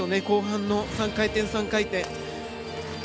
後半の３回転、３回転。